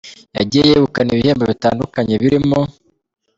Yagiye yegukana ibihembo bitandukanye birimo.